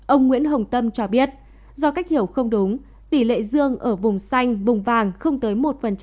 ông nguyễn hồng tâm cho biết do cách hiểu không đúng tỷ lệ dương ở vùng xanh vùng vàng không tới một